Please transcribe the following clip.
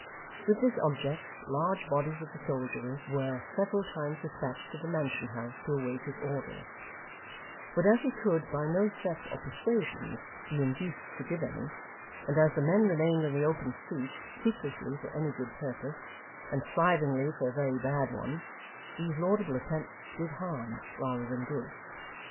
With this object, large bodies of the soldiery were several times despatched to the Mansion House to await his orders: but as he could, by no threats or persuasions, be induced to give any, and as the men remained in the open street, fruitlessly for any good purpose, and thrivingly for a very bad one; these laudable attempts did harm rather than good.